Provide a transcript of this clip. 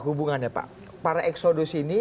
hubungannya pak para eksodus ini